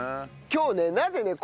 今日ねなぜね